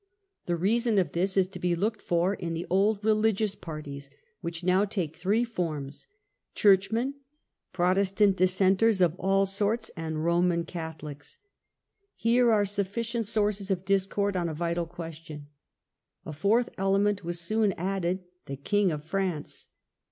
The the Reign. reason of this is to be looked for in the old religious parties — which now take three forms — Church men, Protestant Dissenters of all sorts, and Roman J ANALYSIS OF THE REIGN. 7 1 Catholics. Here were sufficient sources of discord on a vital question; a fourth element was soon added — the King of France.